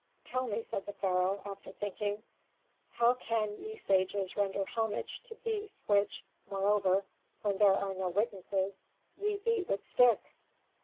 "Tell me," said the pharaoh, after thinking, "how can ye sages render homage to beasts which, moreover, when there are no witnesses, ye beat with sticks?"